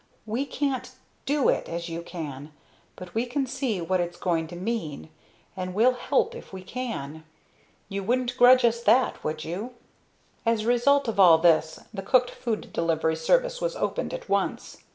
We can't do it as you can, but we can see what it's going to mean, and we'll help if we can. You wouldn't grudge us that, would you?" As a result of all this the cooked food delivery service was opened at once.